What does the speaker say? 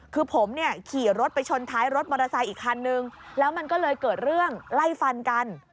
คือผมเนี่ยขี่รถไปชนท้ายรถมอเตอร์ไซค์อีกคันนึงแล้วมันก็เลยเกิดเรื่องไล่ฟันกัน